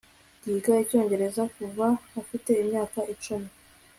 yiga icyongereza kuva afite imyaka icumi